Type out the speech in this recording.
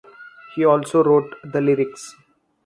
He also wrote the lyrics.